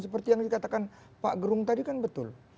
seperti yang dikatakan pak gerung tadi kan betul